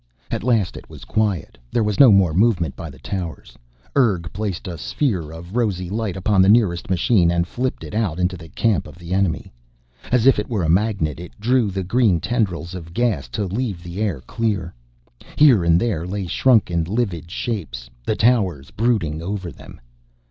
At last it was quiet; there was no more movement by the towers. Urg placed a sphere of rosy light upon the nearest machine and flipped it out into the camp of the enemy. As if it were a magnet it drew the green tendrils of gas, to leave the air clear. Here and there lay shrunken, livid shapes, the towers brooding over them.